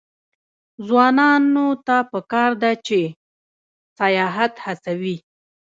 ځوانانو ته پکار ده چې، سیاحت هڅوي.